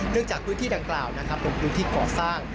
เนื่องจากพื้นที่ต่างกล่าวนะครับเป็นพื้นที่ก่อสร้าง